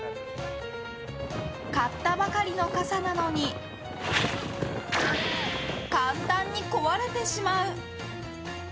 買ったばかりの傘なのに簡単に壊れてしまう。